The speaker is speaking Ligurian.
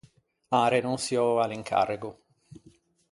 An renonçiou à l’incarrego.